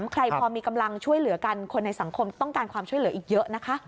ใครพอมีกำลังช่วยเหลือกันคนในสังคมต้องการความช่วยเหลืออีกเยอะนะคะ